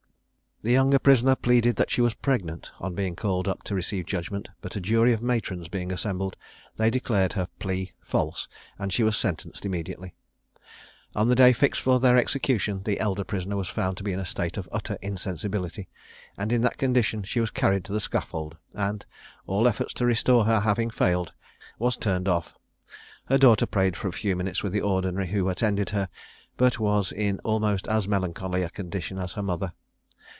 The younger prisoner pleaded that she was pregnant, on being called up to receive judgment; but a jury of matrons being assembled, they declared her plea false, and she was sentenced immediately. On the day fixed for their execution, the elder prisoner was found to be in a state of utter insensibility, and in that condition she was carried to the scaffold, and, all efforts to restore her having failed, was turned off. Her daughter prayed for a few minutes with the ordinary who attended her, but was in almost as melancholy a condition as her mother.